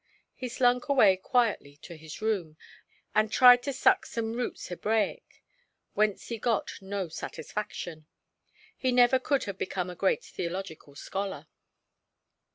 He slunk away quietly to his room, and tried to suck some roots Hebraic, whence he got no satisfaction. He never could have become a great theological scholar.